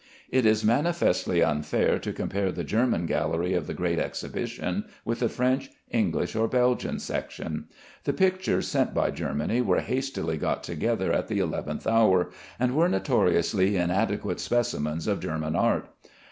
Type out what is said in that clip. It is manifestly unfair to compare the German gallery of the Great Exhibition with the French, English, or Belgian section. The pictures sent by Germany were hastily got together at the eleventh hour, and were notoriously inadequate specimens of German art.